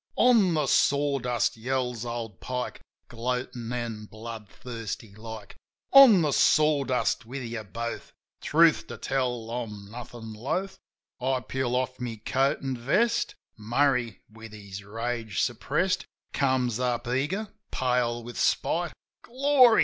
"On the sawdust!" yells old Pike, Gloatin' an' bloodthirsty like. "On the sawdust with yeh both !" Truth to tell, I'm nothin' loth. I peel off my coat an' vest. Murray, with his rage suppressed, Comes up eager, pale with spite. "Glory!"